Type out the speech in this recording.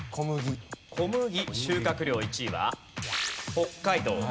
小麦収穫量１位は北海道。